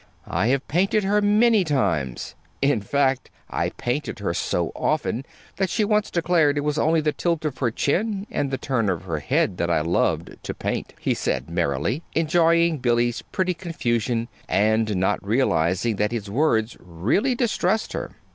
"I have painted her many times. In fact, I have painted her so often that she once declared it was only the tilt of her chin and the turn of her head that I loved to paint," he said merrily, enjoying Billy's pretty confusion, and not realizing that his words really distressed her.